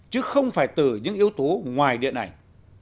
chứ không phải từ những yếu tố ngoài điện ảnh